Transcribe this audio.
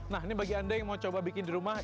nah ini bagi anda yang mau coba bikin di rumah